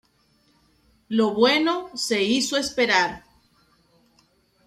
Lo bueno se hizo esperar.